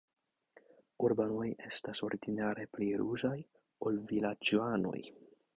Urbanoj estas ordinare pli ruzaj, ol vilaĝanoj.